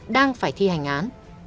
đang phải thi hành án